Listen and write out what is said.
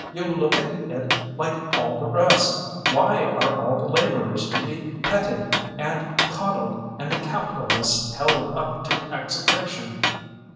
"You look at it like all the rest. Why are all the laborers to be petted and coddled, and the capitalists held up to execration?